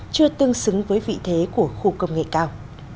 chưa tương xứng với vị thế của khu công nghệ cao